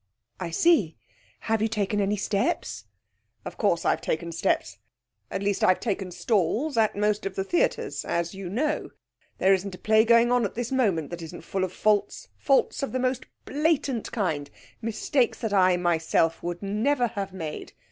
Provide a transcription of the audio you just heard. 'I see. Have you taken any steps?' 'Of course I've taken steps at least I've taken stalls at most of the theatres, as you know. There isn't a play going on at this moment that isn't full of faults faults of the most blatant kind mistakes that I myself would never have made.